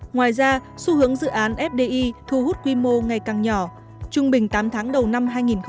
ngoài ra xu hướng dự án fdi thu hút quy mô ngày càng nhỏ trung bình tám tháng đầu năm hai nghìn một mươi chín